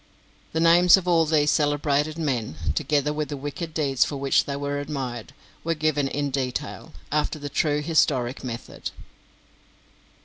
The names of all these celebrated men, together with the wicked deeds for which they were admired, were given in detail, after the true historic method.